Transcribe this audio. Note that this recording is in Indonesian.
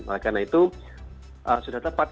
oleh karena itu sudah tepat